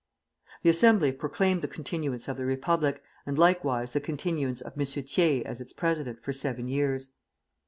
The Assembly proclaimed the continuance of the Republic, and likewise the continuance of M. Thiers as its president for seven years.